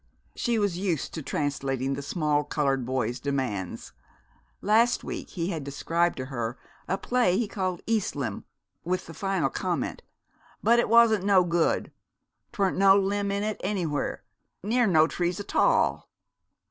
She was used to translating that small colored boy's demands. Last week he had described to her a play he called "Eas' Limb", with the final comment, "But it wan't no good. 'Twant no limb in it anywhar, ner no trees atall!"